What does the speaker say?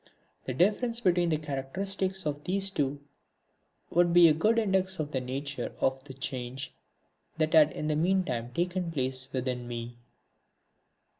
The difference between the characteristics of these two would be a good index of the nature of the change that had in the meantime taken place within me.